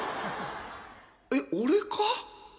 えっ俺か？